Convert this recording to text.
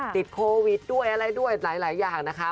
ติดโควิดด้วยอะไรด้วยหลายอย่างนะคะ